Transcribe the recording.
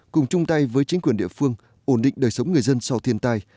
cùng chung tay với chính quyền địa phương ổn định đời sống người dân sau thiên tai